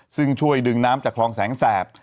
ซึ่งช่วยดึงน้ำจากคลองแสงแสบ